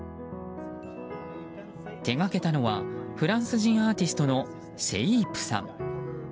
手がけたのはフランス人アーティストのＳＡＹＰＥさん。